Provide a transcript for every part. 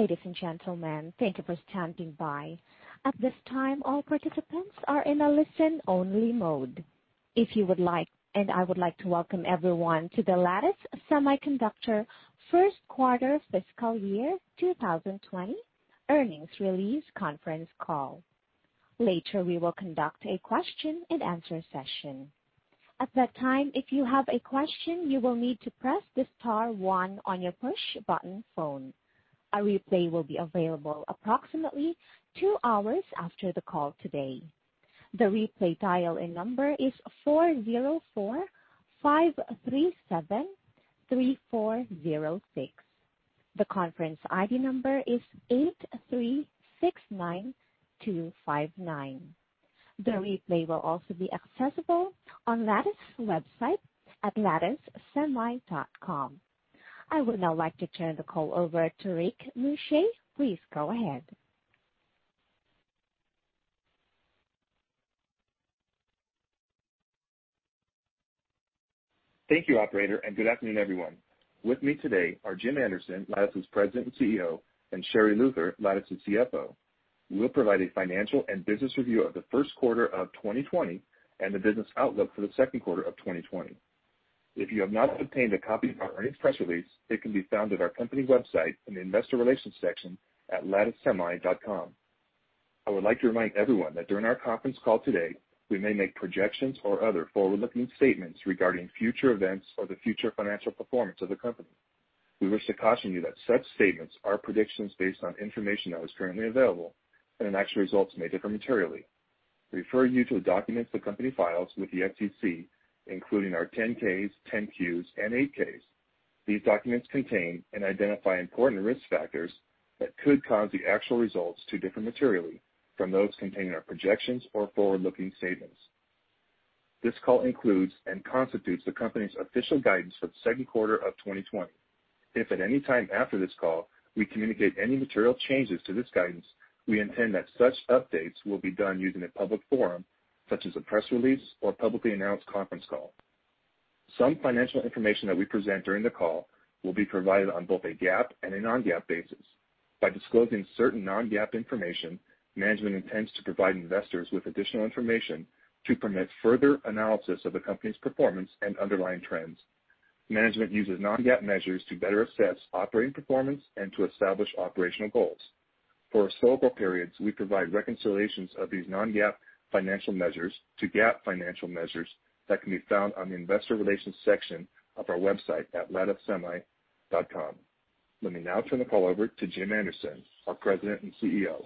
Ladies and gentlemen, thank you for standing by. At this time, all participants are in a listen-only mode. I would like to welcome everyone to the Lattice Semiconductor first quarter fiscal year 2020 earnings release conference call. Later, we will conduct a question and answer session. At that time, if you have a question, you will need to press the star one on your push button phone. A replay will be available approximately two hours after the call today. The replay dial-in number is 404-537-3406. The conference ID number is 8369259. The replay will also be accessible on Lattice's website at latticesemi.com. I would now like to turn the call over to Rick Muscha. Please go ahead. Thank you, Operator, good afternoon, Everyone. With me today are Jim Anderson, Lattice's President and CEO, and Sherri Luther, Lattice's CFO, who will provide a financial and business review of the first quarter of 2020 and the business outlook for the second quarter of 2020. If you have not obtained a copy of our earnings press release, it can be found at our company website in the investor relations section at latticesemi.com. I would like to remind everyone that during our conference call today, we may make projections or other forward-looking statements regarding future events or the future financial performance of the company. We wish to caution you that such statements are predictions based on information that is currently available, and that actual results may differ materially. We refer you to the documents the company files with the SEC, including our 10-Ks, 10-Qs and 8-Ks. These documents contain and identify important risk factors that could cause the actual results to differ materially from those contained in our projections or forward-looking statements. This call includes and constitutes the company's official guidance for the second quarter of 2020. If at any time after this call, we communicate any material changes to this guidance, we intend that such updates will be done using a public forum, such as a press release or publicly announced conference call. Some financial information that we present during the call will be provided on both a GAAP and a non-GAAP basis. By disclosing certain non-GAAP information, management intends to provide investors with additional information to permit further analysis of the company's performance and underlying trends. Management uses non-GAAP measures to better assess operating performance and to establish operational goals. For historical periods, we provide reconciliations of these non-GAAP financial measures to GAAP financial measures that can be found on the investor relations section of our website at latticesemi.com. Let me now turn the call over to Jim Anderson, our President and CEO.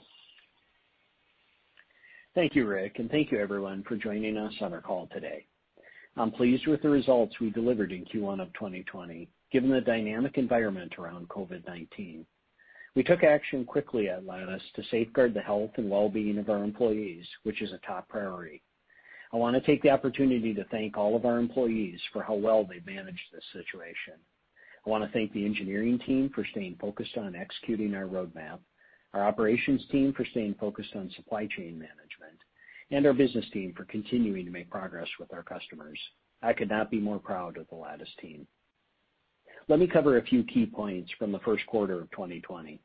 Thank you, Rick, and thank you, everyone, for joining us on our call today. I'm pleased with the results we delivered in Q1 of 2020, given the dynamic environment around COVID-19. We took action quickly at Lattice to safeguard the health and well-being of our employees, which is a top priority. I want to take the opportunity to thank all of our employees for how well they've managed this situation. I want to thank the engineering team for staying focused on executing our roadmap, our operations team for staying focused on supply chain management, and our business team for continuing to make progress with our customers. I could not be more proud of the Lattice team. Let me cover a few key points from the first quarter of 2020.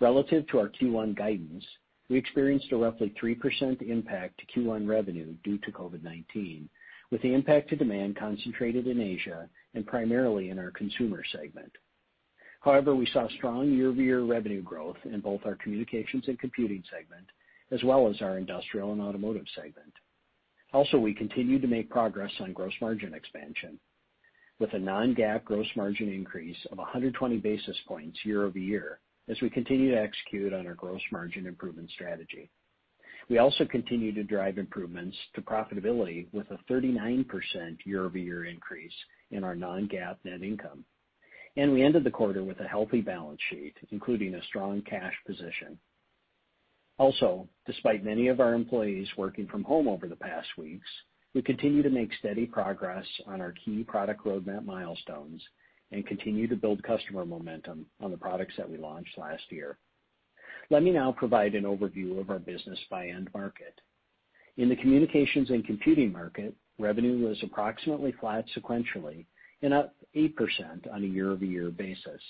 Relative to our Q1 guidance, we experienced a roughly 3% impact to Q1 revenue due to COVID-19, with the impact to demand concentrated in Asia and primarily in our consumer segment. However, we saw strong year-over-year revenue growth in both our communications and computing segment, as well as our industrial and automotive segment. Also, we continued to make progress on gross margin expansion with a non-GAAP gross margin increase of 120 basis points year-over-year as we continue to execute on our gross margin improvement strategy. We continue to drive improvements to profitability with a 39% year-over-year increase in our non-GAAP net income. We ended the quarter with a healthy balance sheet, including a strong cash position. Also, despite many of our employees working from home over the past weeks, we continue to make steady progress on our key product roadmap milestones and continue to build customer momentum on the products that we launched last year. Let me now provide an overview of our business by end market. In the communications and computing market, revenue was approximately flat sequentially, and up 8% on a year-over-year basis.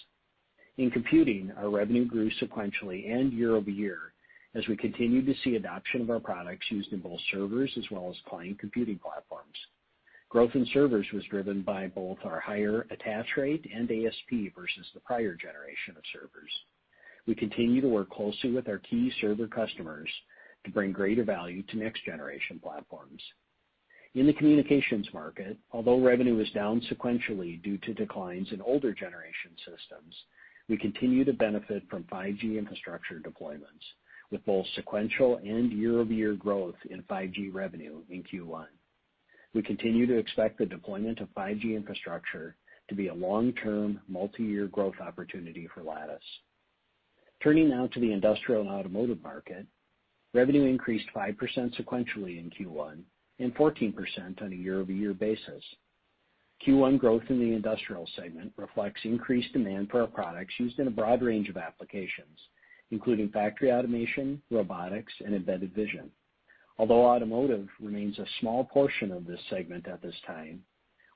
In computing, our revenue grew sequentially and year-over-year as we continued to see adoption of our products used in both servers as well as client computing platforms. Growth in servers was driven by both our higher attach rate and ASP versus the prior generation of servers. We continue to work closely with our key server customers to bring greater value to next-generation platforms. In the communications market, although revenue was down sequentially due to declines in older generation systems, we continue to benefit from 5G infrastructure deployments with both sequential and year-over-year growth in 5G revenue in Q1. We continue to expect the deployment of 5G infrastructure to be a long-term, multiyear growth opportunity for Lattice. Turning now to the industrial and automotive market, revenue increased 5% sequentially in Q1 and 14% on a year-over-year basis. Q1 growth in the industrial segment reflects increased demand for our products used in a broad range of applications, including factory automation, robotics, and embedded vision. Although automotive remains a small portion of this segment at this time,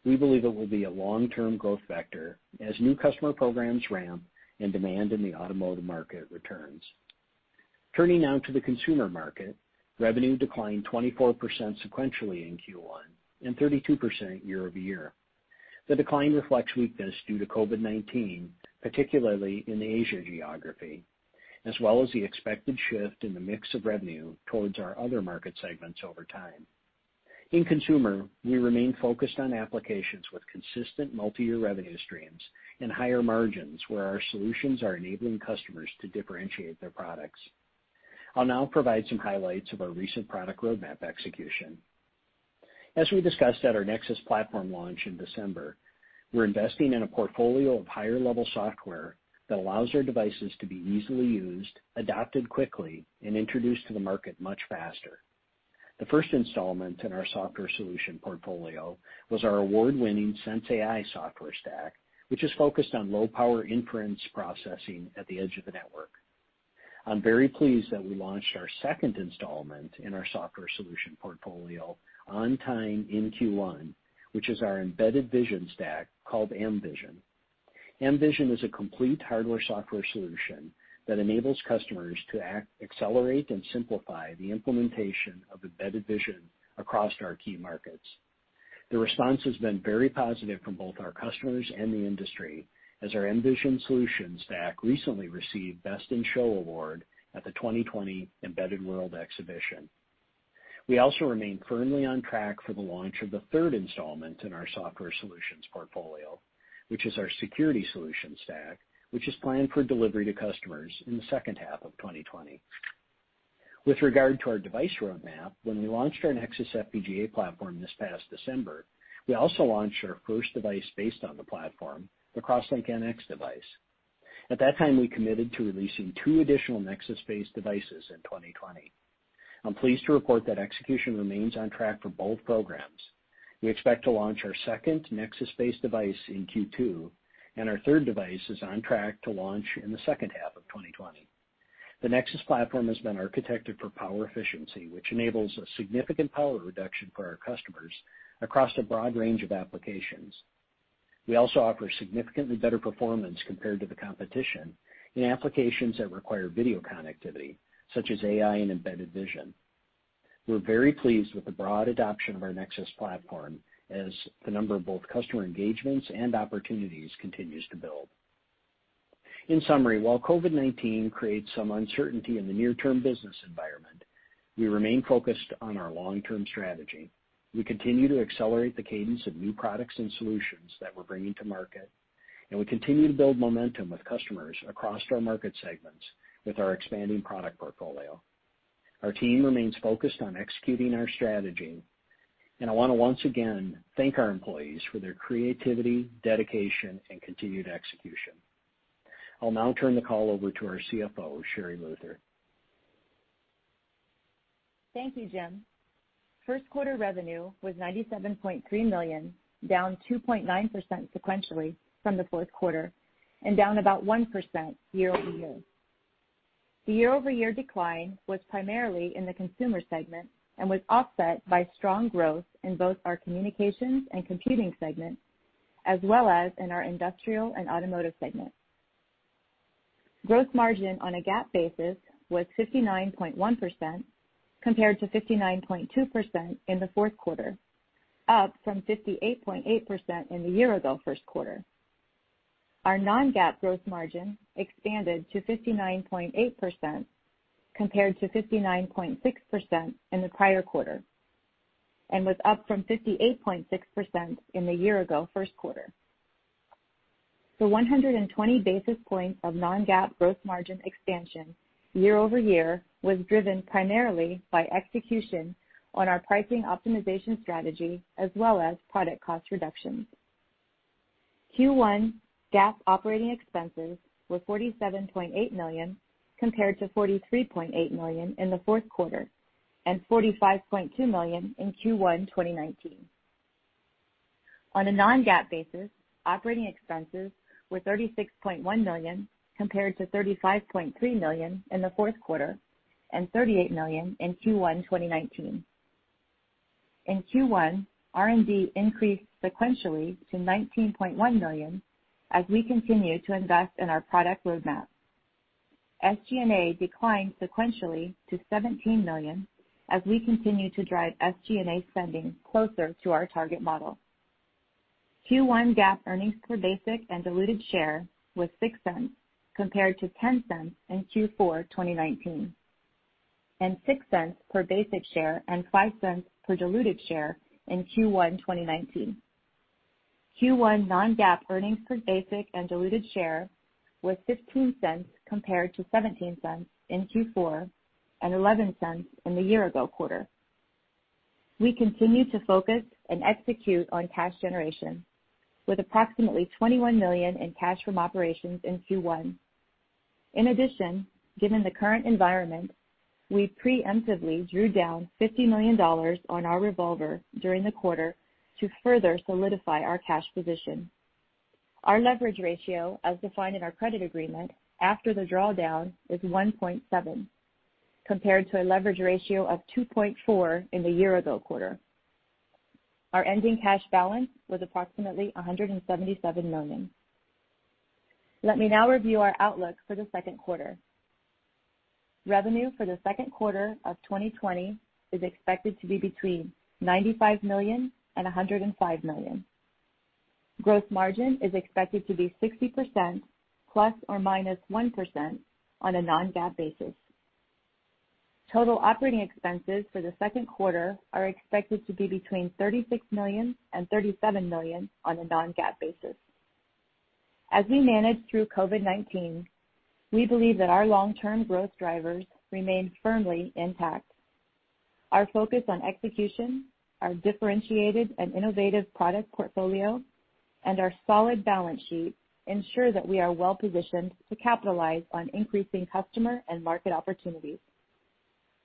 we believe it will be a long-term growth vector as new customer programs ramp and demand in the automotive market returns. Turning now to the consumer market, revenue declined 24% sequentially in Q1 and 32% year-over-year. The decline reflects weakness due to COVID-19, particularly in the Asia geography, as well as the expected shift in the mix of revenue towards our other market segments over time. In consumer, we remain focused on applications with consistent multi-year revenue streams and higher margins, where our solutions are enabling customers to differentiate their products. I'll now provide some highlights of our recent product roadmap execution. As we discussed at our Nexus platform launch in December, we're investing in a portfolio of higher-level software that allows our devices to be easily used, adapted quickly, and introduced to the market much faster. The first installment in our software solution portfolio was our award-winning sensAI software stack, which is focused on low-power inference processing at the edge of the network. I'm very pleased that we launched our second installment in our software solution portfolio on time in Q1, which is our embedded vision stack, called mVision. mVision is a complete hardware-software solution that enables customers to accelerate and simplify the implementation of embedded vision across our key markets. The response has been very positive from both our customers and the industry, as our mVision solution stack recently received Best in Show Award at the 2020 Embedded World Exhibition. We also remain firmly on track for the launch of the third installment in our software solutions portfolio, which is our security solution stack, which is planned for delivery to customers in the second half of 2020. With regard to our device roadmap, when we launched our Nexus FPGA platform this past December, we also launched our first device based on the platform, the CrossLink-NX device. At that time, we committed to releasing two additional Nexus-based devices in 2020. I'm pleased to report that execution remains on track for both programs. We expect to launch our second Nexus-based device in Q2, and our third device is on track to launch in the second half of 2020. The Nexus platform has been architected for power efficiency, which enables a significant power reduction for our customers across a broad range of applications. We also offer significantly better performance compared to the competition in applications that require video connectivity, such as AI and embedded vision. We're very pleased with the broad adoption of our Nexus platform as the number of both customer engagements and opportunities continues to build. In summary, while COVID-19 creates some uncertainty in the near-term business environment, we remain focused on our long-term strategy. We continue to accelerate the cadence of new products and solutions that we're bringing to market, and we continue to build momentum with customers across our market segments with our expanding product portfolio. Our team remains focused on executing our strategy, and I want to once again thank our employees for their creativity, dedication, and continued execution. I'll now turn the call over to our CFO, Sherri Luther. Thank you, Jim. First quarter revenue was $97.3 million, down 2.9% sequentially from the fourth quarter and down about 1% year-over-year. The year-over-year decline was primarily in the consumer segment and was offset by strong growth in both our communications and computing segments, as well as in our industrial and automotive segments. Gross margin on a GAAP basis was 59.1%, compared to 59.2% in the fourth quarter, up from 58.8% in the year-ago first quarter. Our non-GAAP gross margin expanded to 59.8%, compared to 59.6% in the prior quarter, and was up from 58.6% in the year-ago first quarter. The 120 basis points of non-GAAP gross margin expansion year-over-year was driven primarily by execution on our pricing optimization strategy as well as product cost reductions. Q1 GAAP operating expenses were $47.8 million, compared to $43.8 million in the fourth quarter and $45.2 million in Q1 2019. On a non-GAAP basis, operating expenses were $36.1 million, compared to $35.3 million in the fourth quarter and $38 million in Q1 2019. In Q1, R&D increased sequentially to $19.1 million as we continue to invest in our product roadmap. SG&A declined sequentially to $17 million as we continue to drive SG&A spending closer to our target model. Q1 GAAP earnings per basic and diluted share was $0.06, compared to $0.10 in Q4 2019, and $0.06 per basic share and $0.05 per diluted share in Q1 2019. Q1 non-GAAP earnings per basic and diluted share was $0.15, compared to $0.17 in Q4 and $0.11 in the year-ago quarter. We continue to focus and execute on cash generation with approximately $21 million in cash from operations in Q1. In addition, given the current environment, we preemptively drew down $50 million on our revolver during the quarter to further solidify our cash position. Our leverage ratio, as defined in our credit agreement after the drawdown, is 1.7, compared to a leverage ratio of 2.4 in the year-ago quarter. Our ending cash balance was approximately $177 million. Let me now review our outlook for the second quarter. Revenue for the second quarter of 2020 is expected to be between $95 million and $105 million. Gross margin is expected to be 60%, ±1% on a non-GAAP basis. Total operating expenses for the second quarter are expected to be between $36 million and $37 million on a non-GAAP basis. As we manage through COVID-19, we believe that our long-term growth drivers remain firmly intact. Our focus on execution, our differentiated and innovative product portfolio, and our solid balance sheet ensure that we are well-positioned to capitalize on increasing customer and market opportunities.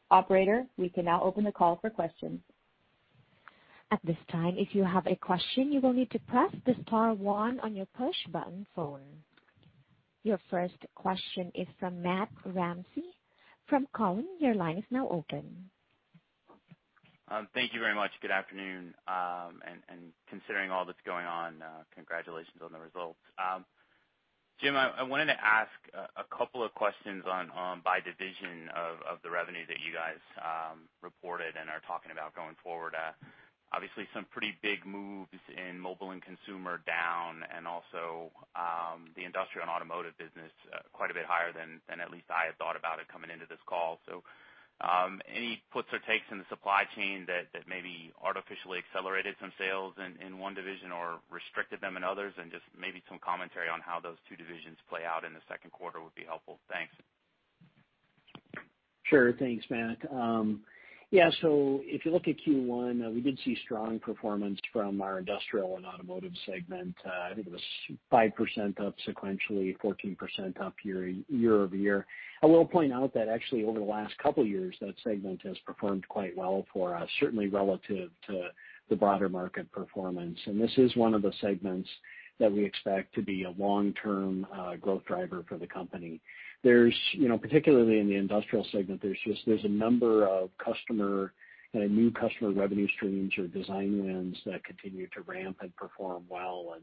Operator, we can now open the call for questions. At this time, if you have a question, you will need to press the star one on your push button phone. Your first question is from Matt Ramsay from Cowen. Your line is now open. Thank you very much. Good afternoon. Considering all that's going on, congratulations on the results. Jim, I wanted to ask a couple of questions by division of the revenue that you guys reported and are talking about going forward. Obviously, some pretty big moves in mobile and consumer down, and also the industrial and automotive business quite a bit higher than at least I had thought about it coming into this call. Any puts or takes in the supply chain that maybe artificially accelerated some sales in one division or restricted them in others? Just maybe some commentary on how those two divisions play out in the second quarter would be helpful. Thanks. Sure. Thanks, Matt. Yeah, if you look at Q1, we did see strong performance from our industrial and automotive segment. I think it was 5% up sequentially, 14% up year-over-year. I will point out that actually over the last couple of years, that segment has performed quite well for us, certainly relative to the broader market performance. This is one of the segments that we expect to be a long-term growth driver for the company. Particularly in the industrial segment, there's a number of new customer revenue streams or design wins that continue to ramp and perform well.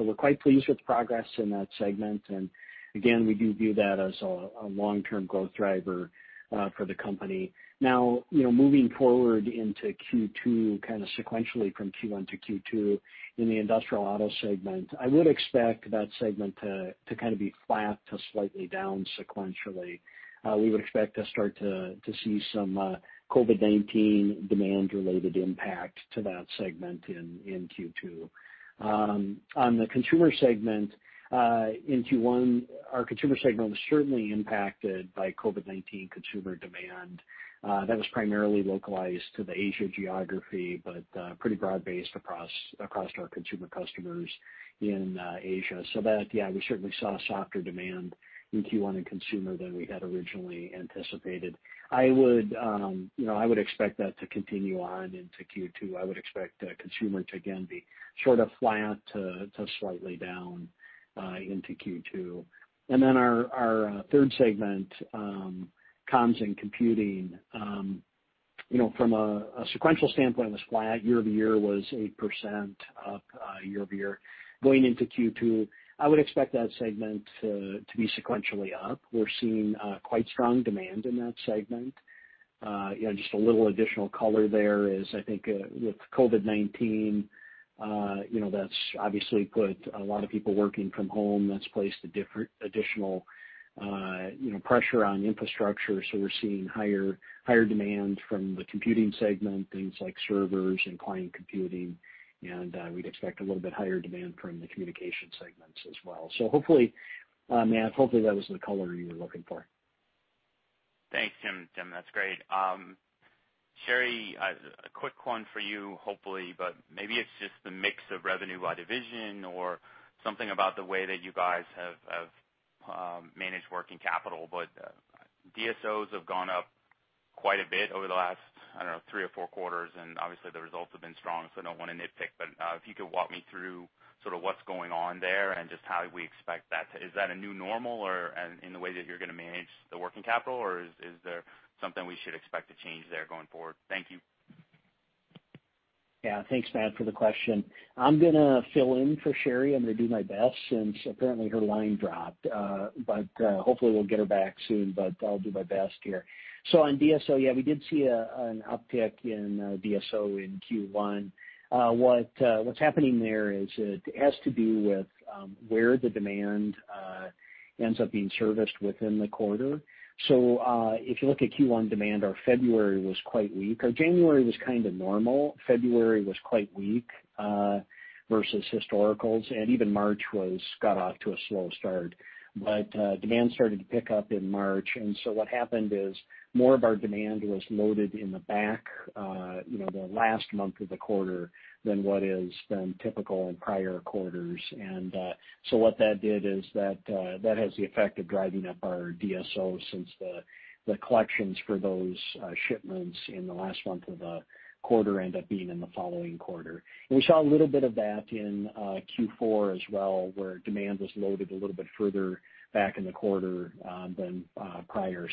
We're quite pleased with the progress in that segment. Again, we do view that as a long-term growth driver for the company. Now, moving forward into Q2, kind of sequentially from Q1 to Q2 in the Industrial Auto segment, I would expect that segment to kind of be flat to slightly down sequentially. We would expect to start to see some COVID-19 demand-related impact to that segment in Q2. On the Consumer segment, in Q1, our Consumer segment was certainly impacted by COVID-19 consumer demand that was primarily localized to the Asia geography, but pretty broad-based across our consumer customers in Asia. That, yeah, we certainly saw softer demand in Q1 in Consumer than we had originally anticipated. I would expect that to continue on into Q2. I would expect Consumer to again be sort of flat to slightly down into Q2. Our third segment, Comms and Computing. From a sequential standpoint, it was flat. Year-over-year was 8% up year-over-year. Going into Q2, I would expect that segment to be sequentially up. We're seeing quite strong demand in that segment. Just a little additional color there is I think with COVID-19, that's obviously put a lot of people working from home. That's placed additional pressure on infrastructure. We're seeing higher demand from the computing segment, things like servers and client computing, and we'd expect a little bit higher demand from the communication segments as well. Hopefully, Matt, that was the color you were looking for. Thanks, Jim. That's great. Sherri, a quick one for you, hopefully, but maybe it's just the mix of revenue by division or something about the way that you guys have managed working capital, but DSOs have gone up quite a bit over the last, I don't know, three or four quarters, and obviously the results have been strong, so I don't want to nitpick, but if you could walk me through sort of what's going on there and just how we expect that. Is that a new normal in the way that you're going to manage the working capital, or is there something we should expect to change there going forward? Thank you. Yeah. Thanks, Matt, for the question. I'm going to fill in for Sherri. I'm going to do my best since apparently her line dropped. Hopefully we'll get her back soon, but I'll do my best here. On DSO, yeah, we did see an uptick in DSO in Q1. What's happening there is it has to do with where the demand ends up being serviced within the quarter. If you look at Q1 demand, our February was quite weak. Our January was kind of normal. February was quite weak versus historicals, and even March got off to a slow start. Demand started to pick up in March, and so what happened is more of our demand was loaded in the back, the last month of the quarter than what has been typical in prior quarters. What that did is that has the effect of driving up our DSO since the collections for those shipments in the last month of the quarter end up being in the following quarter. We saw a little bit of that in Q4 as well, where demand was loaded a little bit further back in the quarter than prior.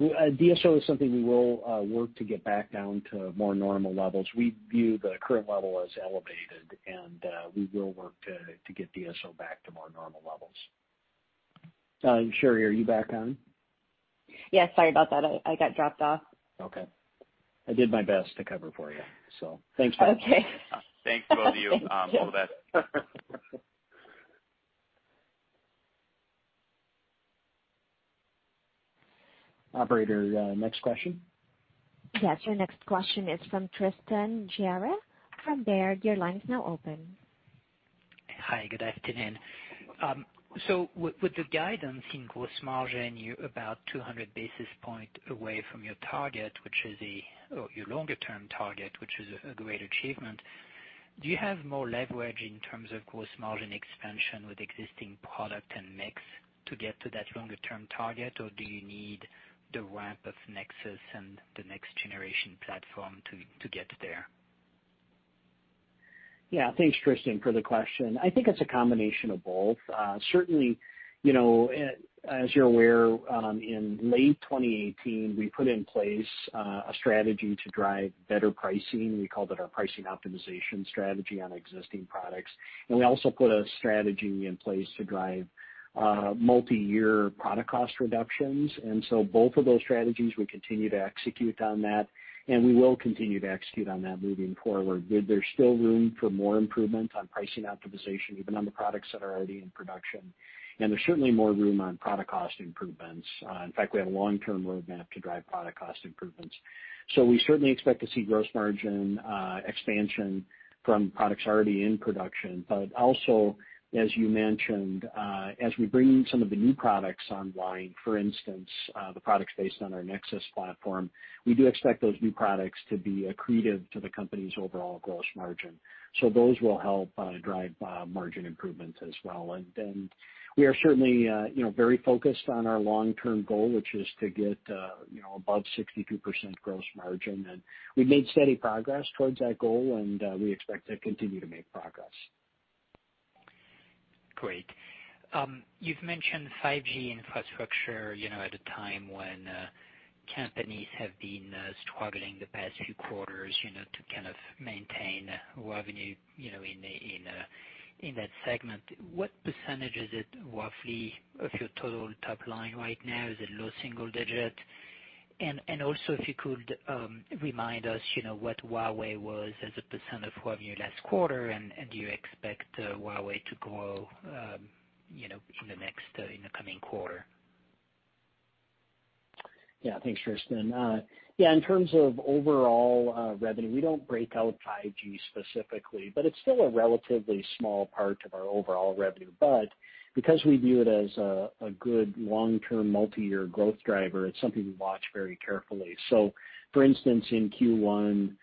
DSO is something we will work to get back down to more normal levels. We view the current level as elevated, and we will work to get DSO back to more normal levels. Sherri, are you back on? Yes. Sorry about that. I got dropped off. Okay. I did my best to cover for you, so thanks for that. Okay. Thanks to both of you. All the best. Operator, next question. Yes, your next question is from Tristan Gerra from Baird. Your line is now open. Hi. Good afternoon. With the guidance in gross margin, you're about 200 basis points away from your target, your longer-term target, which is a great achievement. Do you have more leverage in terms of gross margin expansion with existing product and mix to get to that longer-term target, or do you need the ramp of Nexus and the next-generation platform to get there? Yeah. Thanks, Tristan, for the question. I think it's a combination of both. Certainly, as you're aware, in late 2018, we put in place a strategy to drive better pricing. We called it our pricing optimization strategy on existing products. We also put a strategy in place to drive multi-year product cost reductions. Both of those strategies, we continue to execute on that, and we will continue to execute on that moving forward. There's still room for more improvement on pricing optimization, even on the products that are already in production, and there's certainly more room on product cost improvements. In fact, we have a long-term roadmap to drive product cost improvements. We certainly expect to see gross margin expansion from products already in production. Also, as you mentioned, as we bring some of the new products online, for instance, the products based on our Nexus platform, we do expect those new products to be accretive to the company's overall gross margin. Those will help drive margin improvement as well. We are certainly very focused on our long-term goal, which is to get above 62% gross margin. We've made steady progress towards that goal, and we expect to continue to make progress. Great. You've mentioned 5G infrastructure, at a time when companies have been struggling the past few quarters, to kind of maintain revenue, in that segment. What percentage is it roughly of your total top line right now? Is it low single digit? Also if you could remind us, what Huawei was as a percent of revenue last quarter, and do you expect Huawei to grow, in the coming quarter? Thanks, Tristan. In terms of overall revenue, we don't break out 5G specifically, but it's still a relatively small part of our overall revenue. Because we view it as a good long-term, multi-year growth driver, it's something we watch very carefully. For instance, in Q1,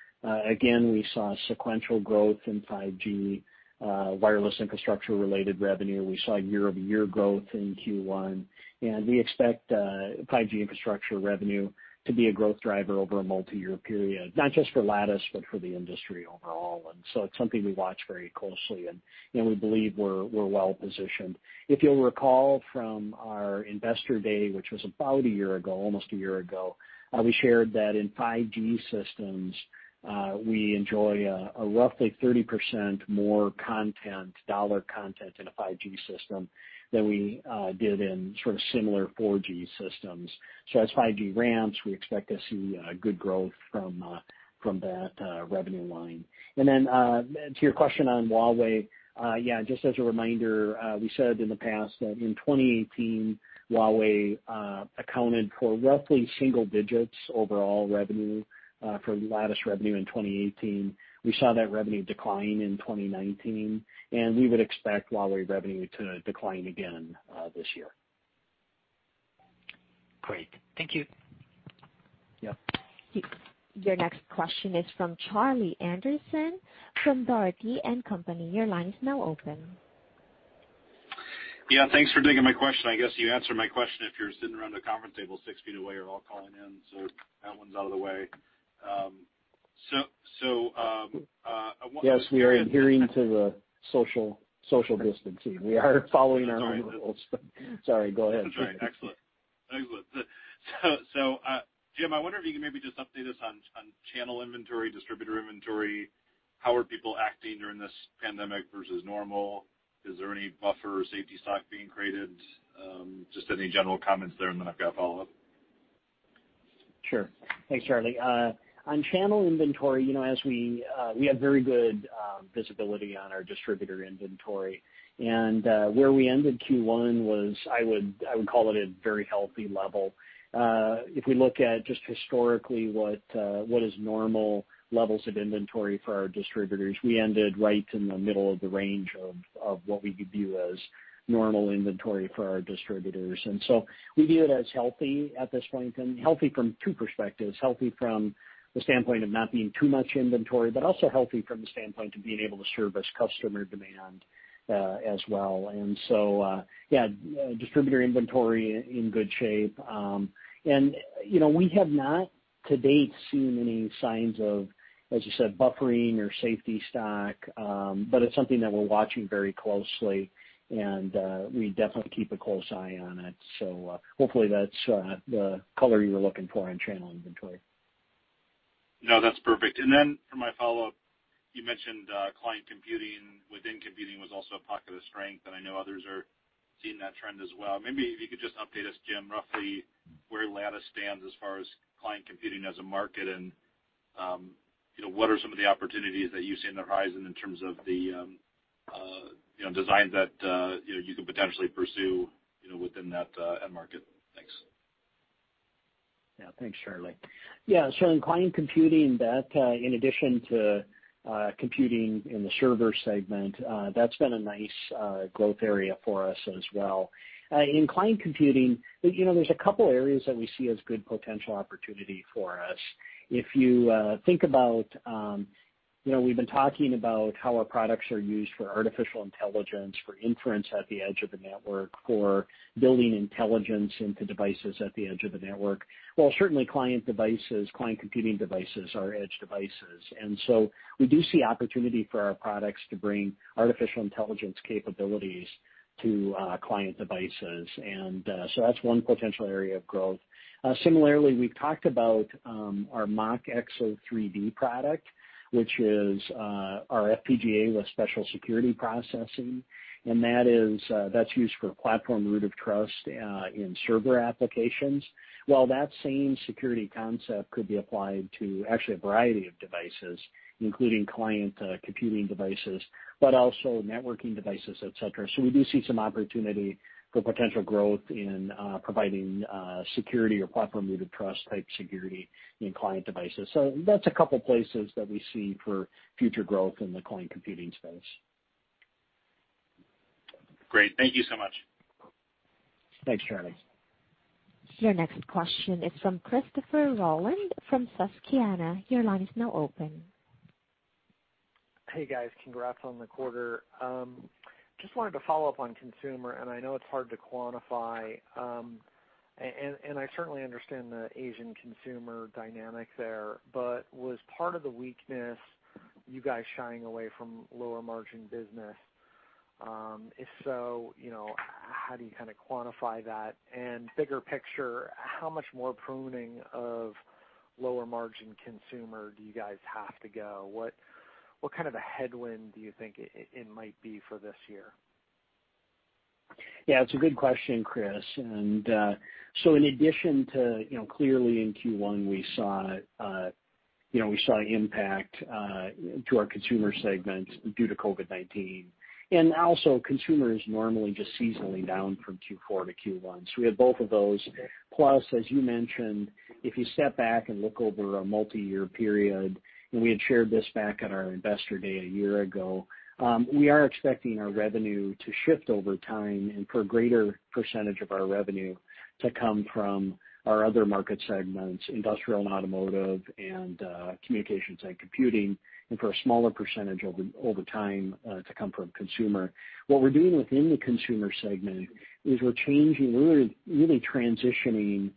again, we saw sequential growth in 5G wireless infrastructure-related revenue. We saw year-over-year growth in Q1, and we expect 5G infrastructure revenue to be a growth driver over a multi-year period, not just for Lattice, but for the industry overall. It's something we watch very closely, and we believe we're well-positioned. If you'll recall from our investor day, which was about a year ago, almost a year ago, we shared that in 5G systems, we enjoy a roughly 30% more content, dollar content in a 5G system than we did in sort of similar 4G systems. As 5G ramps, we expect to see good growth from that revenue line. To your question on Huawei, yeah, just as a reminder, we said in the past that in 2018, Huawei accounted for roughly single digits overall revenue for Lattice revenue in 2018. We saw that revenue decline in 2019, and we would expect Huawei revenue to decline again this year. Great. Thank you. Yeah. Your next question is from Charlie Anderson from Dougherty & Company. Your line is now open. Yeah. Thanks for taking my question. I guess you answered my question. If you're sitting around a conference table six feet away, you're all calling in, so that one's out of the way. Yes, we are adhering to the social distancing. We are following our own rules. Sorry, go ahead. That's right. Excellent. Jim, I wonder if you can maybe just update us on channel inventory, distributor inventory. How are people acting during this pandemic versus normal? Is there any buffer or safety stock being created? Just any general comments there, and then I've got a follow-up. Sure. Thanks, Charlie. On channel inventory, we have very good visibility on our distributor inventory, and where we ended Q1 was, I would call it a very healthy level. If we look at just historically what is normal levels of inventory for our distributors, we ended right in the middle of the range of what we could view as normal inventory for our distributors. We view it as healthy at this point, and healthy from two perspectives, healthy from the standpoint of not being too much inventory, but also healthy from the standpoint of being able to service customer demand as well. Yeah, distributor inventory in good shape. We have not to date seen any signs of, as you said, buffering or safety stock, but it's something that we're watching very closely, and we definitely keep a close eye on it. Hopefully that's the color you were looking for on channel inventory. No, that's perfect. For my follow-up, you mentioned client computing within computing was also a pocket of strength, and I know others are seeing that trend as well. Maybe if you could just update us, Jim, roughly where Lattice stands as far as client computing as a market and what are some of the opportunities that you see on the horizon in terms of the designs that you could potentially pursue within that end market? Thanks. Thanks, Charlie. In client computing, that in addition to computing in the server segment, that's been a nice growth area for us as well. In client computing, there's a couple areas that we see as good potential opportunity for us. If you think about, we've been talking about how our products are used for artificial intelligence, for inference at the edge of the network, for building intelligence into devices at the edge of the network. Certainly client devices, client computing devices are edge devices. We do see opportunity for our products to bring artificial intelligence capabilities to client devices. That's one potential area of growth. Similarly, we've talked about our MachXO3D product, which is our FPGA with special security processing. That's used for platform root of trust in server applications. Well, that same security concept could be applied to actually a variety of devices, including client computing devices, but also networking devices, et cetera. We do see some opportunity for potential growth in providing security or platform root of trust type security in client devices. That's a couple places that we see for future growth in the client computing space. Great. Thank you so much. Thanks, Charlie. Your next question is from Christopher Rolland from Susquehanna. Your line is now open. Hey, guys. Congrats on the quarter. Just wanted to follow up on consumer, and I know it's hard to quantify, and I certainly understand the Asian consumer dynamic there, but was part of the weakness you guys shying away from lower margin business? If so, how do you kind of quantify that? Bigger picture, how much more pruning of lower margin consumer do you guys have to go? What kind of a headwind do you think it might be for this year? Yeah, it's a good question, Chris. In addition to clearly in Q1 we saw impact to our consumer segment due to COVID-19. Also consumer is normally just seasonally down from Q4 to Q1. We had both of those. As you mentioned, if you step back and look over a multi-year period, and we had shared this back at our investor day a year ago, we are expecting our revenue to shift over time and for a greater percentage of our revenue to come from our other market segments, industrial and automotive, and communications and computing, and for a smaller percentage over time to come from consumer. What we're doing within the consumer segment is we're changing, we're really transitioning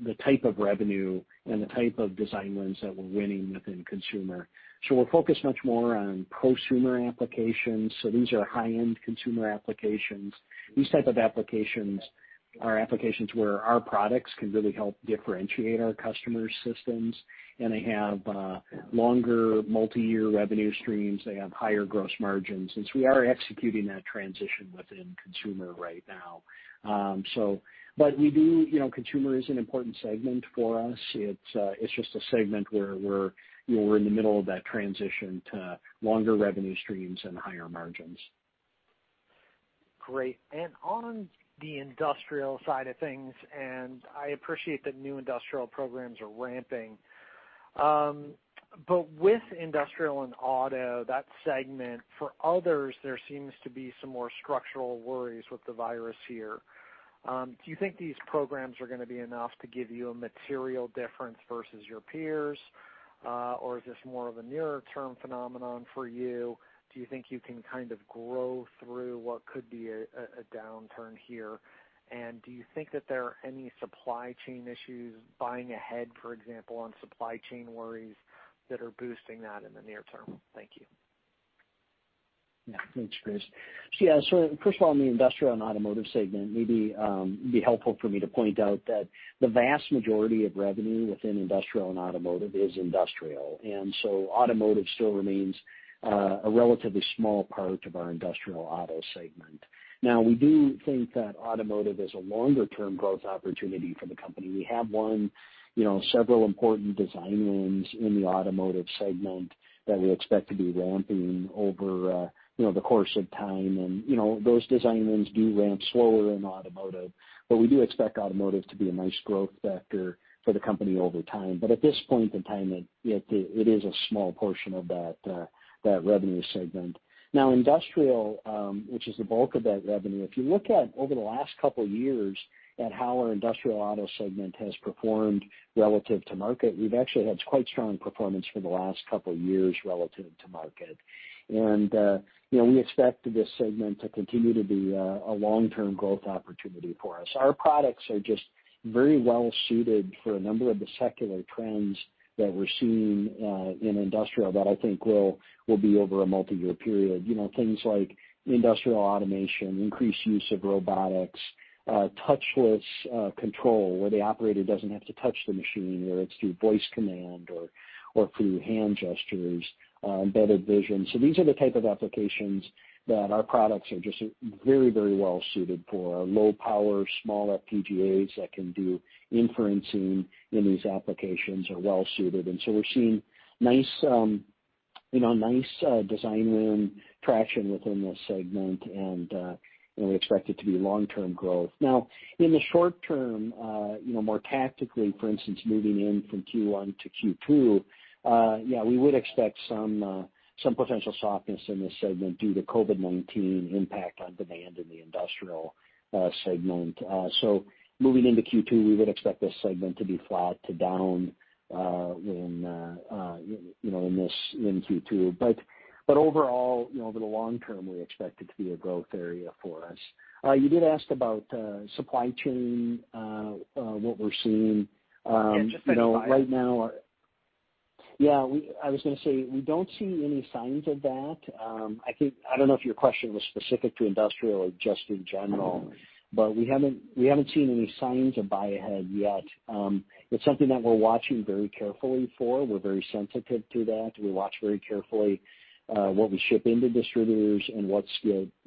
the type of revenue and the type of design wins that we're winning within consumer. We're focused much more on prosumer applications. These are high-end consumer applications. These type of applications are applications where our products can really help differentiate our customers' systems, and they have longer multi-year revenue streams. They have higher gross margins. We are executing that transition within consumer right now. Consumer is an important segment for us. It's just a segment where we're in the middle of that transition to longer revenue streams and higher margins. Great. On the industrial side of things, and I appreciate that new industrial programs are ramping. With industrial and auto, that segment for others, there seems to be some more structural worries with the virus here. Do you think these programs are going to be enough to give you a material difference versus your peers? Is this more of a nearer term phenomenon for you? Do you think you can kind of grow through what could be a downturn here? Do you think that there are any supply chain issues, buying ahead, for example, on supply chain worries that are boosting that in the near term? Thank you. Yeah. Thanks, Chris. Yeah. First of all, in the industrial and automotive segment, maybe it'd be helpful for me to point out that the vast majority of revenue within industrial and automotive is industrial, automotive still remains a relatively small part of our industrial auto segment. We do think that automotive is a longer-term growth opportunity for the company. We have won several important design wins in the automotive segment that we expect to be ramping over the course of time. Those design wins do ramp slower in automotive, we do expect automotive to be a nice growth vector for the company over time. At this point in time, it is a small portion of that revenue segment. Industrial, which is the bulk of that revenue, if you look at over the last couple years at how our industrial auto segment has performed relative to market. We've actually had quite strong performance for the last couple of years relative to market. We expect this segment to continue to be a long-term growth opportunity for us. Our products are just very well-suited for a number of the secular trends that we're seeing in industrial that I think will be over a multi-year period. Things like industrial automation, increased use of robotics, touchless control where the operator doesn't have to touch the machine, whether it's through voice command or through hand gestures, mVision. These are the type of applications that our products are just very well-suited for. Low power, small FPGAs that can do inferencing in these applications are well-suited. We're seeing nice design win traction within this segment and we expect it to be long-term growth. Now, in the short term, more tactically, for instance, moving in from Q1 to Q2, yeah, we would expect some potential softness in this segment due to COVID-19 impact on demand in the industrial segment. Moving into Q2, we would expect this segment to be flat to down in Q2. Overall, over the long term, we expect it to be a growth area for us. You did ask about supply chain, what we're seeing. Yeah, just any buy ahead. Yeah, I was going to say, we don't see any signs of that. I don't know if your question was specific to industrial or just in general. We haven't seen any signs of buy ahead yet. It's something that we're watching very carefully for. We're very sensitive to that. We watch very carefully what we ship into distributors and what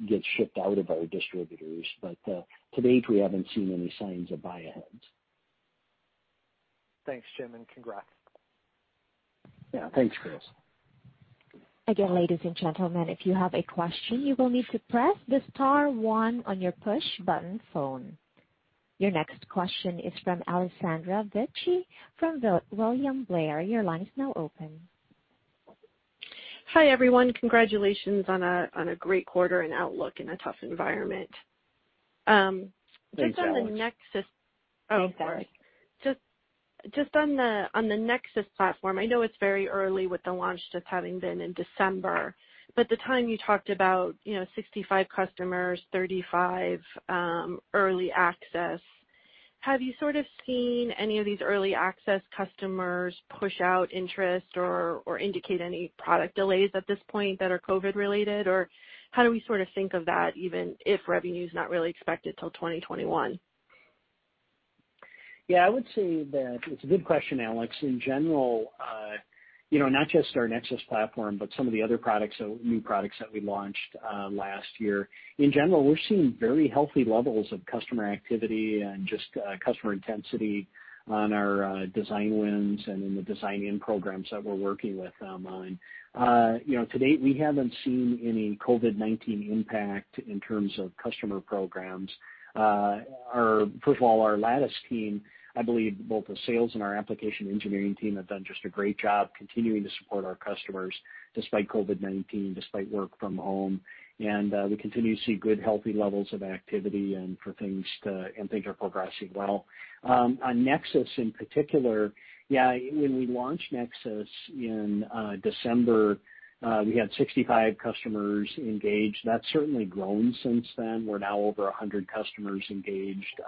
gets shipped out of our distributors. To date, we haven't seen any signs of buy ahead. Thanks, Jim, and congrats. Yeah. Thanks, Chris. Again, ladies and gentlemen, if you have a question, you will need to press the star one on your push button phone. Your next question is from Alessandra Vecchi from William Blair. Your line is now open. Hi, everyone. Congratulations on a great quarter and outlook in a tough environment. Thanks, Alex. Just on the Nexus. Oh, sorry. Just on the Nexus platform, I know it's very early with the launch just having been in December, but at the time you talked about 65 customers, 35 early access. Have you sort of seen any of these early access customers push out interest or indicate any product delays at this point that are COVID related, or how do we sort of think of that, even if revenue's not really expected till 2021? Yeah, I would say that it's a good question, Alex. In general, not just our Nexus platform, but some of the other new products that we launched last year. In general, we're seeing very healthy levels of customer activity and just customer intensity on our design wins and in the design-in programs that we're working with on. To date, we haven't seen any COVID-19 impact in terms of customer programs. First of all, our Lattice team, I believe both the sales and our application engineering team have done just a great job continuing to support our customers despite COVID-19, despite work from home. We continue to see good, healthy levels of activity and things are progressing well. On Nexus in particular, yeah, when we launched Nexus in December, we had 65 customers engaged. That's certainly grown since then. We're now over 100 customers engaged.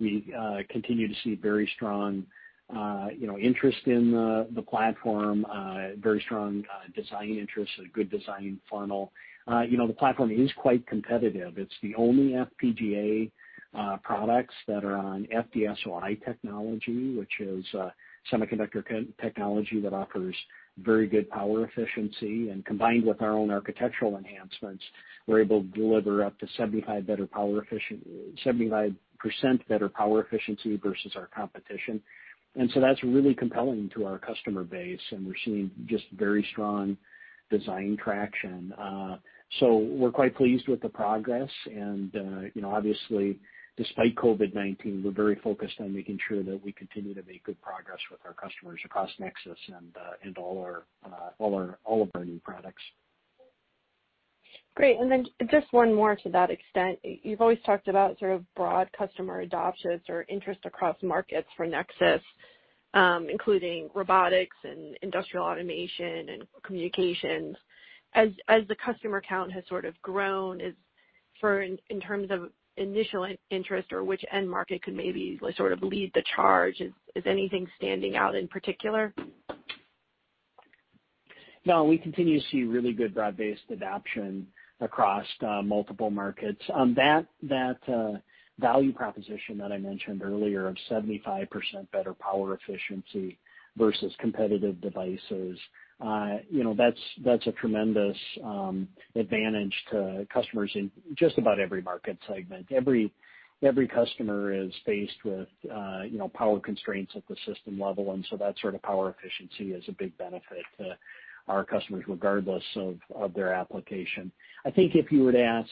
We continue to see very strong interest in the platform, very strong design interest, a good design funnel. The platform is quite competitive. It's the only FPGA products that are on FD-SOI technology, which is a semiconductor technology that offers very good power efficiency, and combined with our own architectural enhancements, we're able to deliver up to 75% better power efficiency versus our competition. That's really compelling to our customer base, and we're seeing just very strong design traction. We're quite pleased with the progress and obviously despite COVID-19, we're very focused on making sure that we continue to make good progress with our customers across Nexus and all of our new products. Great. Just one more to that extent. You've always talked about sort of broad customer adoption or interest across markets for Nexus, including robotics and industrial automation and communications. As the customer count has sort of grown, in terms of initial interest or which end market could maybe sort of lead the charge, is anything standing out in particular? No, we continue to see really good broad-based adoption across multiple markets. That value proposition that I mentioned earlier of 75% better power efficiency versus competitive devices, that's a tremendous advantage to customers in just about every market segment. Every customer is faced with power constraints at the system level. That sort of power efficiency is a big benefit to our customers, regardless of their application. I think if you would ask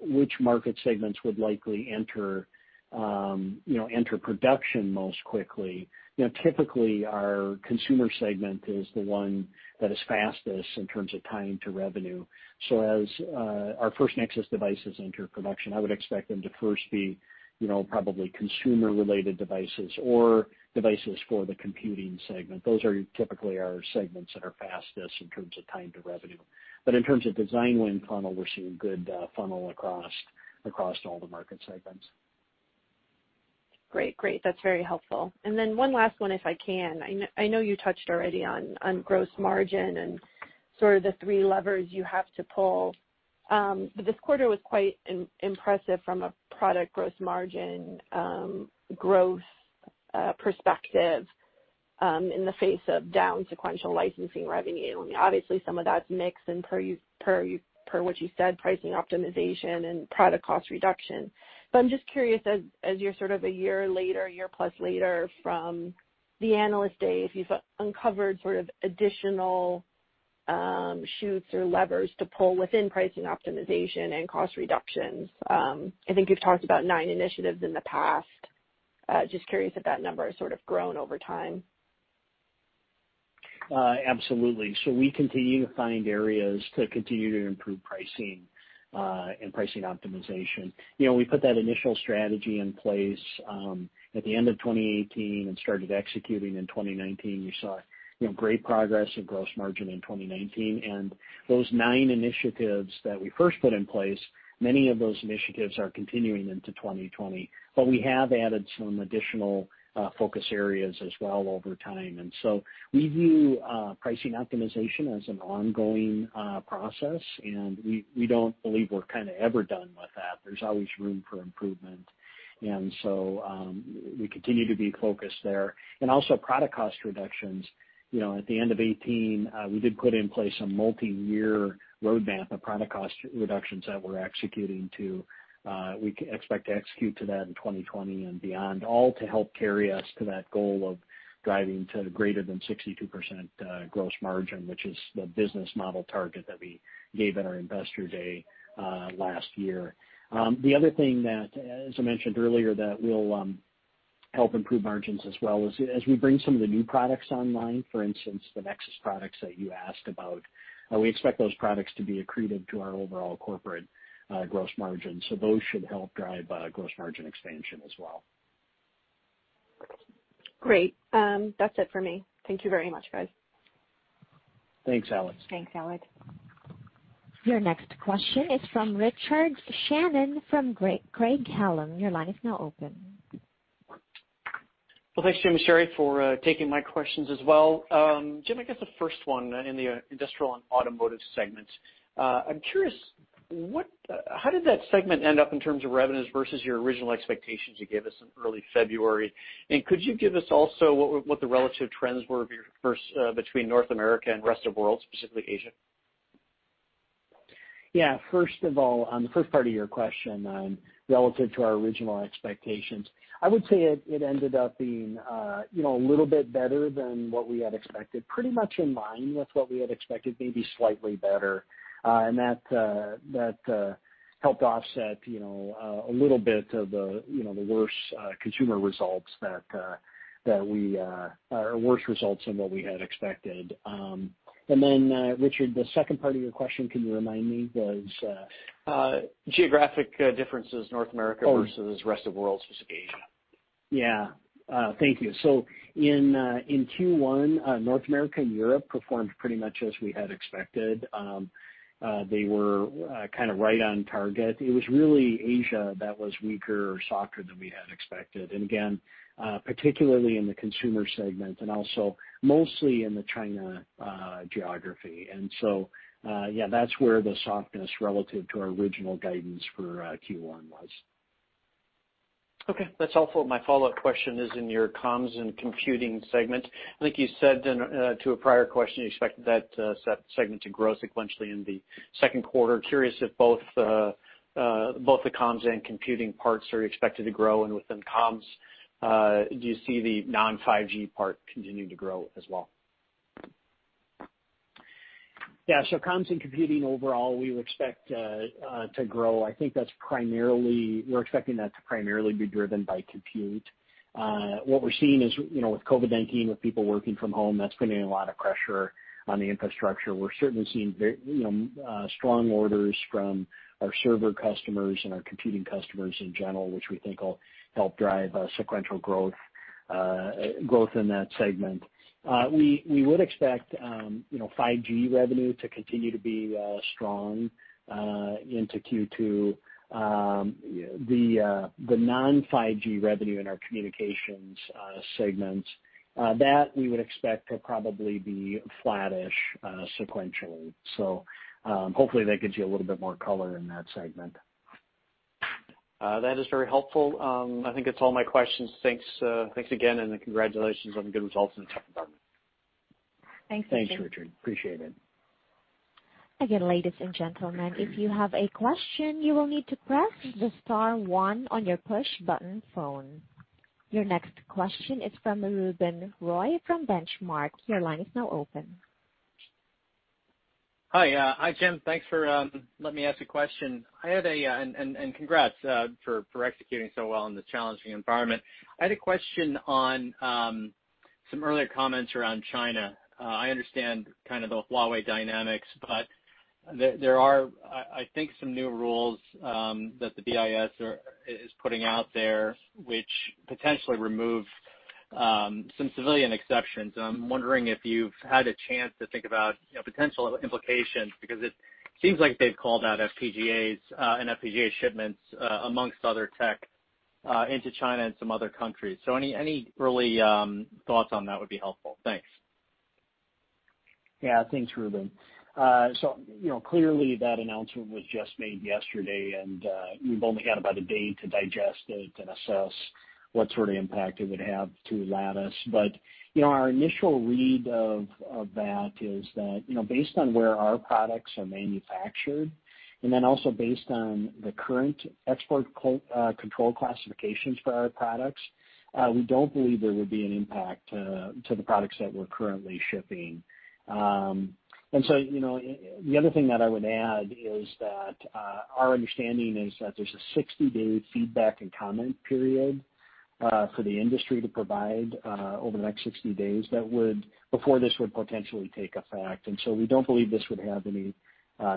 which market segments would likely enter production most quickly, typically our consumer segment is the one that is fastest in terms of time to revenue. As our first Nexus devices enter production, I would expect them to first be probably consumer-related devices or devices for the computing segment. Those are typically our segments that are fastest in terms of time to revenue. In terms of design win funnel, we're seeing good funnel across all the market segments. Great. That's very helpful. Then one last one, if I can. I know you touched already on gross margin and sort of the three levers you have to pull. This quarter was quite impressive from a product gross margin growth perspective in the face of down sequential licensing revenue. Obviously, some of that's mix and per what you said, pricing optimization and product cost reduction. I'm just curious as you're sort of a year later, year-plus later from the Analyst Day, if you've uncovered sort of additional shoots or levers to pull within pricing optimization and cost reductions. I think you've talked about nine initiatives in the past. Just curious if that number has sort of grown over time. Absolutely. We continue to find areas to continue to improve pricing and pricing optimization. We put that initial strategy in place at the end of 2018 and started executing in 2019. You saw great progress in gross margin in 2019. Those nine initiatives that we first put in place, many of those initiatives are continuing into 2020. We have added some additional focus areas as well over time. We view pricing optimization as an ongoing process, and we don't believe we're kind of ever done with that. There's always room for improvement. We continue to be focused there. Also product cost reductions. At the end of 2018, we did put in place a multi-year roadmap of product cost reductions that we're executing to. We expect to execute to that in 2020 and beyond, all to help carry us to that goal of driving to greater than 62% gross margin, which is the business model target that we gave at our Investor Day last year. The other thing that, as I mentioned earlier, that will help improve margins as well is, as we bring some of the new products online, for instance, the Nexus products that you asked about, we expect those products to be accretive to our overall corporate gross margin. Those should help drive gross margin expansion as well. Great. That's it for me. Thank you very much, guys. Thanks, Alex. Thanks, Alex. Your next question is from Richard Shannon from Craig-Hallum. Your line is now open. Well, thanks, Jim and Sherri, for taking my questions as well. Jim, I guess the first one in the industrial and automotive segments. I'm curious, how did that segment end up in terms of revenues versus your original expectations you gave us in early February? Could you give us also what the relative trends were between North America and rest of world, specifically Asia? Yeah. First of all, on the first part of your question on relative to our original expectations, I would say it ended up being a little bit better than what we had expected. Pretty much in line with what we had expected, maybe slightly better. That helped offset a little bit of the worse consumer results or worse results than what we had expected. Richard, the second part of your question, can you remind me, was. Geographic differences, North America versus rest of world, specifically Asia. Yeah. Thank you. In Q1, North America and Europe performed pretty much as we had expected. They were kind of right on target. It was really Asia that was weaker or softer than we had expected. Again, particularly in the consumer segment and also mostly in the China geography. Yeah, that's where the softness relative to our original guidance for Q1 was. That's all for my follow-up question is in your Comms and Computing segment. I think you said to a prior question, you expect that segment to grow sequentially in the second quarter. Curious if both the Comms and Computing parts are expected to grow, and within Comms, do you see the non-5G part continuing to grow as well? Yeah. Comms and computing overall, we would expect to grow. I think we're expecting that to primarily be driven by compute. What we're seeing is, with COVID-19, with people working from home, that's putting a lot of pressure on the infrastructure. We're certainly seeing strong orders from our server customers and our computing customers in general, which we think will help drive sequential growth in that segment. We would expect 5G revenue to continue to be strong into Q2. The non-5G revenue in our communications segments, that we would expect to probably be flattish sequentially. Hopefully that gives you a little bit more color in that segment. That is very helpful. I think that's all my questions. Thanks again, and congratulations on the good results in the second quarter. Thanks, Richard. Thanks, Richard. Appreciate it. Again, ladies and gentlemen, if you have a question, you will need to press the star one on your push button phone. Your next question is from Ruben Roy from Benchmark. Your line is now open. Hi, Jim. Thanks for letting me ask a question. Congrats for executing so well in this challenging environment. I had a question on some earlier comments around China. I understand kind of the Huawei dynamics, but there are, I think, some new rules that the BIS is putting out there which potentially remove some civilian exceptions. I'm wondering if you've had a chance to think about potential implications, because it seems like they've called out FPGAs and FPGA shipments amongst other tech into China and some other countries. Any early thoughts on that would be helpful. Thanks. Yeah. Thanks, Ruben. Clearly that announcement was just made yesterday, and we've only had about a day to digest it and assess what sort of impact it would have to Lattice. Our initial read of that is that based on where our products are manufactured, also based on the current export control classifications for our products, we don't believe there would be an impact to the products that we're currently shipping. The other thing that I would add is that our understanding is that there's a 60-day feedback and comment period for the industry to provide over the next 60 days before this would potentially take effect. We don't believe this would have any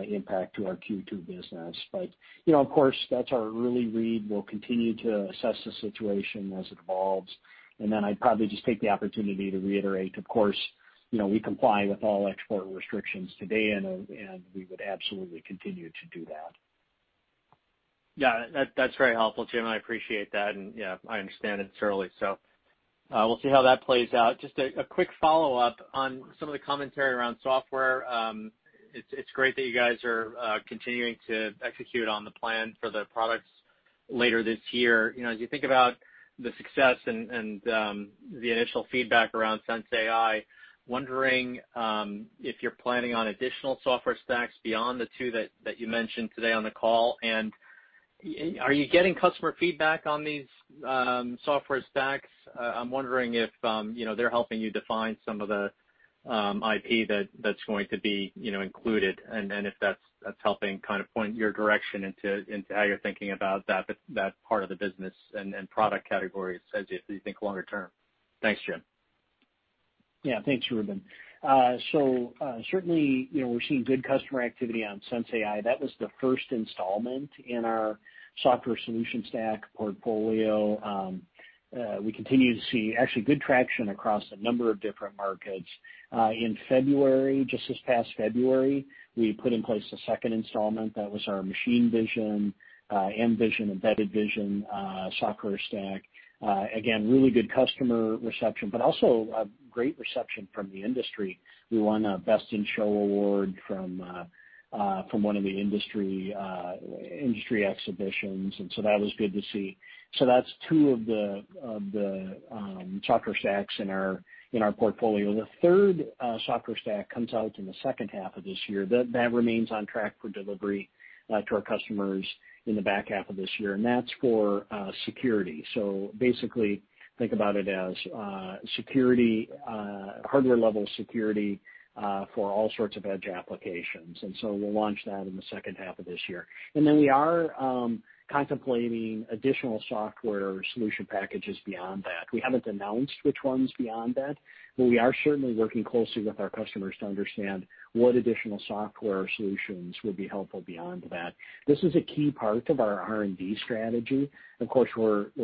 impact to our Q2 business. Of course, that's our early read. We'll continue to assess the situation as it evolves. I'd probably just take the opportunity to reiterate, of course, we comply with all export restrictions today, and we would absolutely continue to do that. That's very helpful, Jim. I appreciate that. I understand it's early, we'll see how that plays out. Just a quick follow-up on some of the commentary around software. It's great that you guys are continuing to execute on the plan for the products later this year. As you think about the success and the initial feedback around sensAI, wondering if you're planning on additional software stacks beyond the two that you mentioned today on the call. Are you getting customer feedback on these software stacks? I'm wondering if they're helping you define some of the IP that's going to be included, and if that's helping kind of point your direction into how you're thinking about that part of the business and product categories as you think longer term. Thanks, Jim. Thanks, Ruben. Certainly, we're seeing good customer activity on sensAI. That was the first installment in our software solution stack portfolio. We continue to see actually good traction across a number of different markets. In February, just this past February, we put in place the second installment. That was our machine vision, mVision, Embedded Vision software stack. Again, really good customer reception, but also a great reception from the industry. We won a Best in Show award from one of the industry exhibitions, that was good to see. That's two of the software stacks in our portfolio. The third software stack comes out in the second half of this year. That remains on track for delivery to our customers in the back half of this year. That's for security. Basically think about it as hardware-level security for all sorts of edge applications. We'll launch that in the second half of this year. We are contemplating additional software solution packages beyond that. We haven't announced which ones beyond that, but we are certainly working closely with our customers to understand what additional software solutions would be helpful beyond that. This is a key part of our R&D strategy. Of course,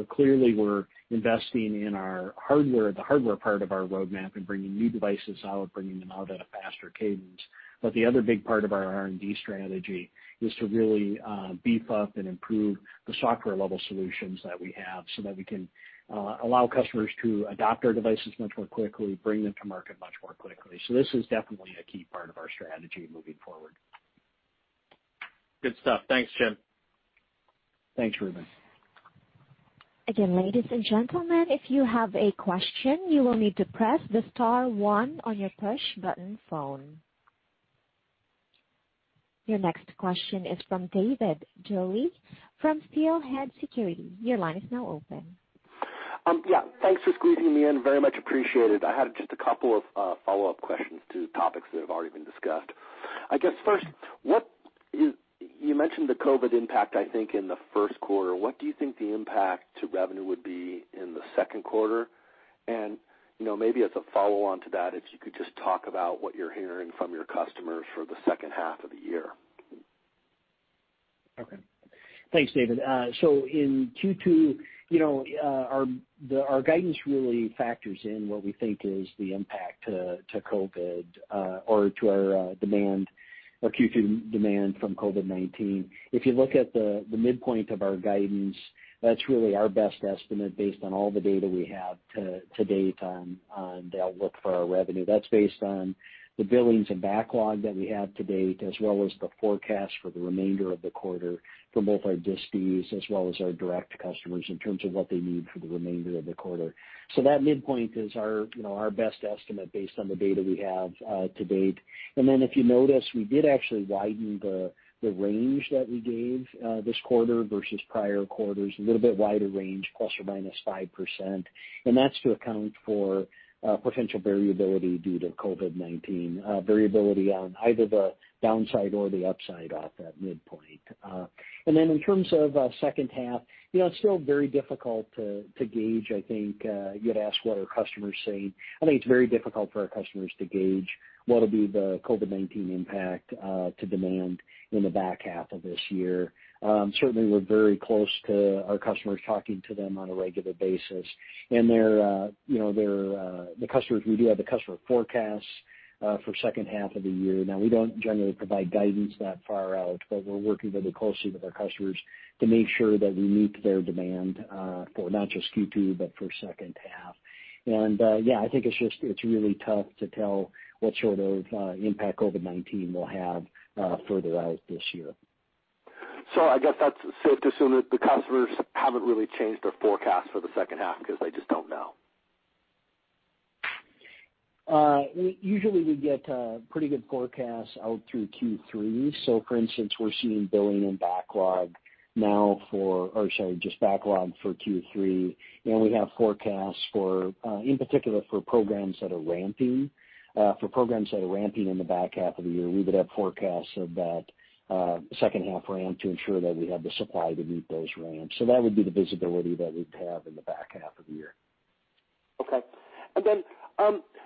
clearly we're investing in the hardware part of our roadmap and bringing new devices out, bringing them out at a faster cadence. The other big part of our R&D strategy is to really beef up and improve the software-level solutions that we have, so that we can allow customers to adopt our devices much more quickly, bring them to market much more quickly. This is definitely a key part of our strategy moving forward. Good stuff. Thanks, Jim. Thanks, Ruben. Again, ladies and gentlemen, if you have a question, you will need to press the star one on your push button phone. Your next question is from David Duley from Steelhead Securities. Your line is now open. Yeah. Thanks for squeezing me in. Very much appreciated. I had just a couple of follow-up questions to topics that have already been discussed. I guess first, you mentioned the COVID-19 impact, I think, in the first quarter. What do you think the impact to revenue would be in the second quarter? Maybe as a follow-on to that, if you could just talk about what you're hearing from your customers for the second half of the year. Okay. Thanks, David. In Q2, our guidance really factors in what we think is the impact to COVID, or to our Q2 demand from COVID-19. If you look at the midpoint of our guidance, that's really our best estimate based on all the data we have to date on the outlook for our revenue. That's based on the billings and backlog that we have to date, as well as the forecast for the remainder of the quarter from both our distis as well as our direct customers in terms of what they need for the remainder of the quarter. That midpoint is our best estimate based on the data we have to date. If you notice, we did actually widen the range that we gave this quarter versus prior quarters, a little bit wider range, ±5%. That's to account for potential variability due to COVID-19, variability on either the downside or the upside off that midpoint. In terms of second half, it's still very difficult to gauge, I think. You had asked what our customers say. I think it's very difficult for our customers to gauge what'll be the COVID-19 impact to demand in the back half of this year. Certainly, we're very close to our customers, talking to them on a regular basis. The customers, we do have the customer forecasts for second half of the year. Now, we don't generally provide guidance that far out, but we're working very closely with our customers to make sure that we meet their demand for not just Q2, but for second half. Yeah, I think it's really tough to tell what sort of impact COVID-19 will have further out this year. I guess that's safe to assume that the customers haven't really changed their forecast for the second half because they just don't know. Usually we get pretty good forecasts out through Q3. For instance, we're seeing billing and backlog now for, or sorry, just backlog for Q3, and we have forecasts, in particular, for programs that are ramping in the back half of the year. We would have forecasts of that second half ramp to ensure that we have the supply to meet those ramps. That would be the visibility that we'd have in the back half of the year. Okay.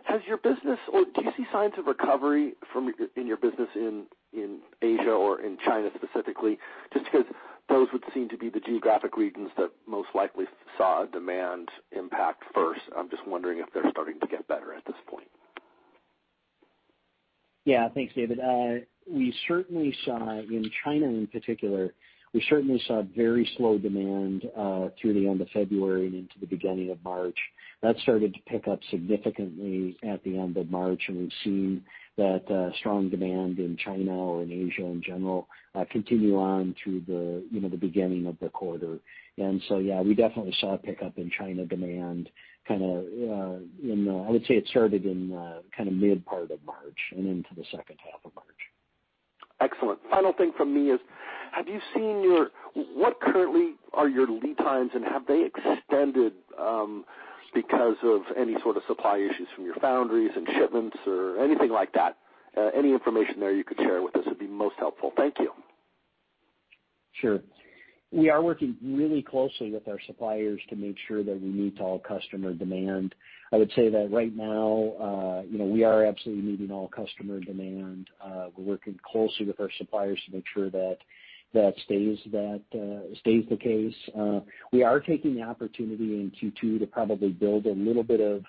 Do you see signs of recovery in your business in Asia or in China specifically? Just because those would seem to be the geographic regions that most likely saw a demand impact first. I'm just wondering if they're starting to get better at this point. Yeah. Thanks, David. In China, in particular, we certainly saw very slow demand through the end of February and into the beginning of March. That started to pick up significantly at the end of March, and we've seen that strong demand in China or in Asia in general continue on through the beginning of the quarter. Yeah, we definitely saw a pickup in China demand. I would say it started in mid part of March and into the second half of March. Excellent. Final thing from me is, what currently are your lead times, and have they extended because of any sort of supply issues from your foundries and shipments or anything like that? Any information there you could share with us would be most helpful. Thank you. Sure. We are working really closely with our suppliers to make sure that we meet all customer demand. I would say that right now we are absolutely meeting all customer demand. We're working closely with our suppliers to make sure that stays the case. We are taking the opportunity in Q2 to probably build a little bit of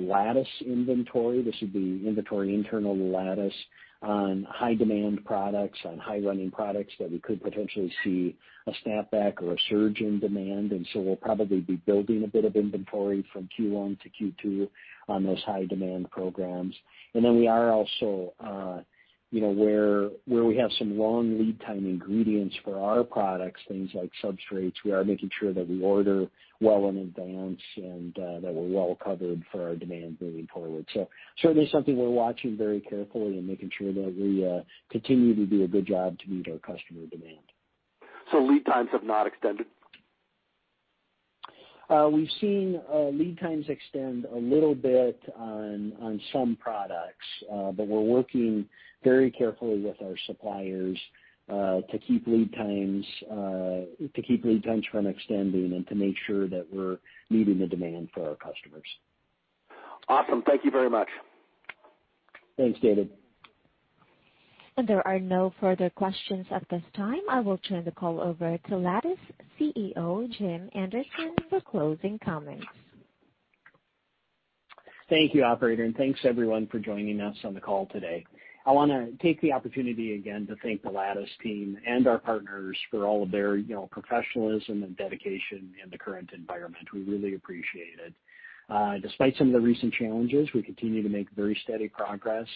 Lattice inventory. This would be inventory internal to Lattice on high-demand products, on high-running products that we could potentially see a snapback or a surge in demand. So we'll probably be building a bit of inventory from Q1 to Q2 on those high-demand programs. Then we are also, where we have some long lead time ingredients for our products, things like substrates, we are making sure that we order well in advance and that we're well covered for our demand moving forward. Certainly something we're watching very carefully and making sure that we continue to do a good job to meet our customer demand. Lead times have not extended? We've seen lead times extend a little bit on some products, but we're working very carefully with our suppliers, to keep lead times from extending and to make sure that we're meeting the demand for our customers. Awesome. Thank you very much. Thanks, David. There are no further questions at this time. I will turn the call over to Lattice CEO, Jim Anderson, for closing comments. Thank you, operator, and thanks everyone for joining us on the call today. I want to take the opportunity again to thank the Lattice team and our partners for all of their professionalism and dedication in the current environment. We really appreciate it. Despite some of the recent challenges, we continue to make very steady progress,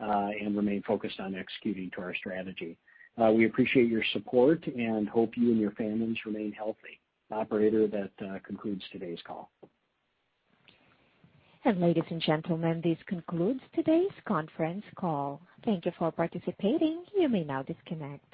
and remain focused on executing to our strategy. We appreciate your support and hope you and your families remain healthy. Operator, that concludes today's call. Ladies and gentlemen, this concludes today's conference call. Thank you for participating. You may now disconnect.